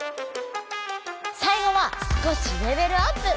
さいごは少しレベルアップ！